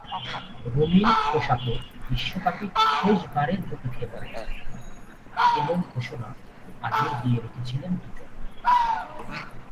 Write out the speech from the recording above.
রঙিন পোশাকে বিশ্বকাপেই শেষবারের মতো খেলবেন—এমন ঘোষণা আগেই দিয়ে রেখেছিলেন দুজন।